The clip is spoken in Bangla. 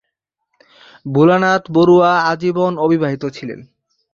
ভোলানাথ বরুয়া আজীবন অবিবাহিত ছিলেন।